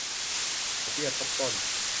ดอกเบี้ยทบต้น